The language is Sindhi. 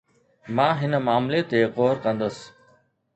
مان هن معاملي تي غور ڪندس